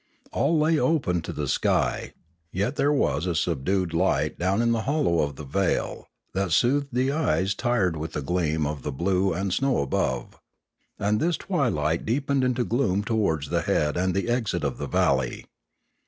All lay open to the sky; yet there was a subdued light down in the hollow of the vale, that soothed the eyes tired with the gleam of the blue and snow above; and this twilignt deepened into gloom towards the head and the exit of the valley.